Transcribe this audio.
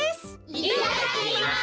いただきます！